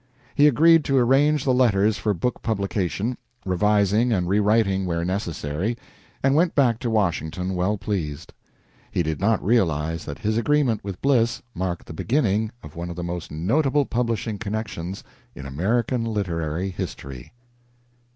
He agreed to arrange the letters for book publication, revising and rewriting where necessary, and went back to Washington well pleased. He did not realize that his agreement with Bliss marked the beginning of one of the most notable publishing connections in American literary history.